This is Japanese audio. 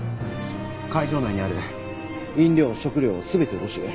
会場内にある飲料食料を全て押収。